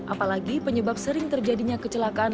apalagi penyebab sering terjadinya kecelakaan